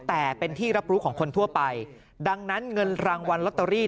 แต่เป็นที่รับรู้ของคนทั่วไปดังนั้นเงินรางวัลลอตเตอรี่